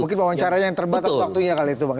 mungkin wawancaranya yang terbatas waktunya kali itu bang